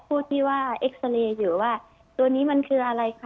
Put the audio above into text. พูดที่ว่าเอ็กซาเรย์อยู่ว่าตัวนี้มันคืออะไรคะ